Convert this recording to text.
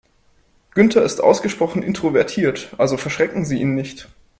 Günther ist ausgesprochen introvertiert, also verschrecken Sie ihn nicht.